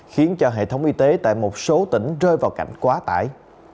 khiến cho hệ thống y tế tại một số tỉnh rơi vào cảnh quá tải